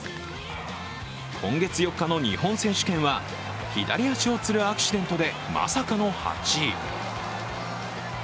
今月４日の日本選手権は左足をつるアクシデントでまさかの８位。